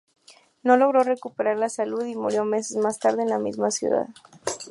No logró recuperar la salud y murió meses más tarde en la misma ciudad.